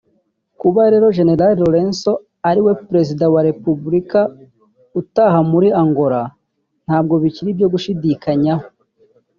Kuba rero General Lourenco ariwe Perezida wa Repubulika utaha muri Angola ntabwo bikiri ibyo gushidikanyaho